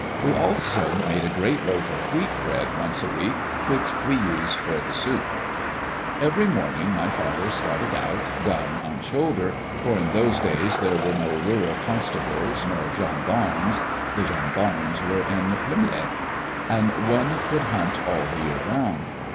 We also made a great loaf of wheat bread once a week, which we used for the soup. Every morning my father started out, gun on shoulder, for in those days there were no rural constables nor gendarmes (the gendarmes were at Plumelec), and one could hunt all the year round.